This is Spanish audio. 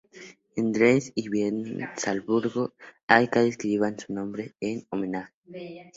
En Dresde, Viena y Salzburgo hay calles que llevan su nombre en homenaje.